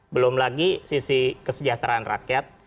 belum lagi sisi kesejahteraan rakyat